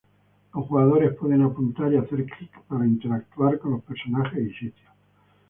Los jugadores pueden apuntar y hacer click para interactuar con los personajes y sitios.